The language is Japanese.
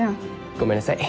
ごめんなさい。